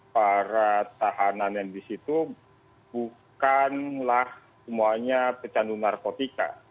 para tahanan yang di situ bukanlah semuanya pecandu narkotika